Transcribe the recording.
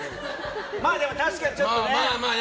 でも確かにちょっとね。